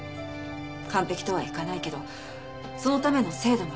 完璧とはいかないけどそのための制度もある。